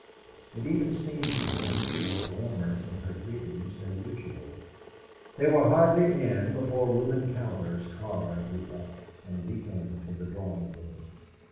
It even seemed to him she was warmer in her greetings than usual. They were hardly in before Reuben Cowder's car drew up, and he came into the drawing room.